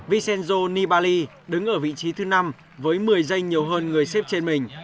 vincenzo nibali đứng ở vị trí thứ năm với một mươi giây nhiều hơn người xếp trên mình